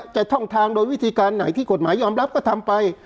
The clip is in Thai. ท่องทางโดยวิธีการไหนที่กฎหมายยอมรับก็ทำไป